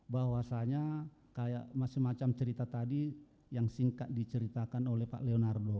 bahwasanya kayak macam macam cerita tadi yang singkat diceritakan oleh pak leonardo